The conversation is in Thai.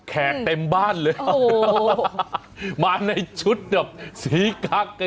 แขกเต็มบ้านเลยโอ้โหมาในชุดแบบสีคักกันอยู่นะครับ